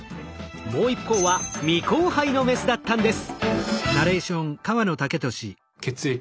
もう一方は未交配のメスだったんです。